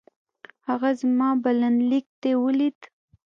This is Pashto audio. هغه زما بلنليک دې ولېد؟